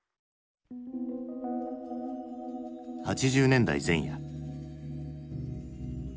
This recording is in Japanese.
８０年代前夜。